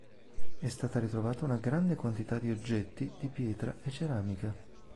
È stata ritrovata una grande quantità di oggetti di pietra e ceramica.